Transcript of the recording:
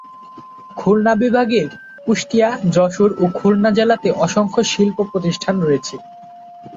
খুলনা বিভাগের কুষ্টিয়া, যশোর ও খুলনা জেলাতে অসংখ্য শিল্প প্রতিষ্ঠান রয়েছে।